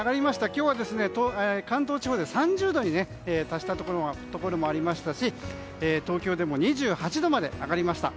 今日は関東地方で３０度に達したところもありましたし東京でも２８度まで上がりました。